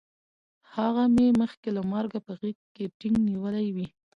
هغه مې مخکې له مرګه په غېږ کې ټینګ نیولی وی